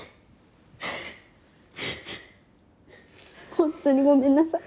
ホントにごめんなさい。